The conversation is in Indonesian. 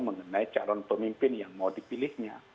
mengenai calon pemimpin yang mau dipilihnya